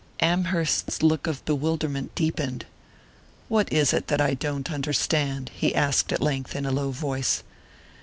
Amherst's look of bewilderment deepened. "What is it that I don't understand?" he asked at length, in a low voice.